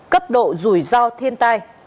cấp độ rủi ro thiên tai